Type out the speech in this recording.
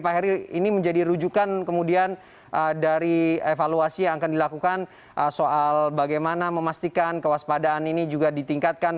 pak heri ini menjadi rujukan kemudian dari evaluasi yang akan dilakukan soal bagaimana memastikan kewaspadaan ini juga ditingkatkan